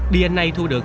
dna thu được